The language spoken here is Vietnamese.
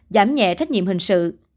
giảm nhẹ trách nhiệm hình sự